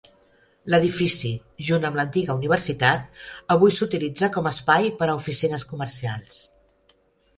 L'edifici, junt amb l'antiga universitat, avui s'utilitza com a espai per a oficines comercials.